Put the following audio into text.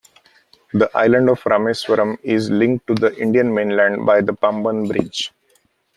The island of Rameswaram is linked to the Indian mainland by the Pamban Bridge.